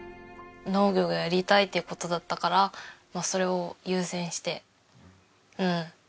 農業がやりたいっていう事だったからまあそれを優先してうん。